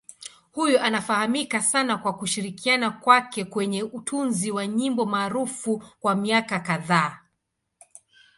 Huyu anafahamika sana kwa kushirikiana kwake kwenye utunzi wa nyimbo maarufu kwa miaka kadhaa.